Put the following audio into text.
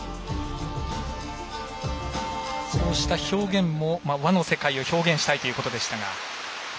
こうした表現も和の世界を表現したいということでしたが。